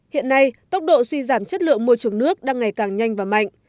hiện nay tốc độ suy giảm chất lượng môi trường nước đang ngày càng nhanh và mạnh